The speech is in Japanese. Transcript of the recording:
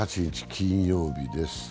金曜日です。